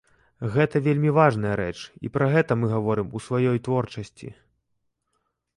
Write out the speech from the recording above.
Гэта вельмі важная рэч, і пра гэта мы гаворым у сваёй творчасці.